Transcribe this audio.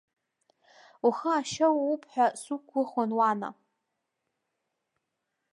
Ухы ашьа ууп ҳәа суқәгәыӷуан, уана.